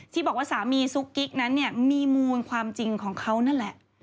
ที่บอกว่าสามีซุกกิ๊กนั้นเนี่ยมีมูลความจริงของเขานั่นแหละ